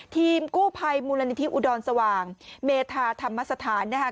ทีมกู้ภัยมูลนิธิอุดรสว่างเมธาธรรมสถานนะคะ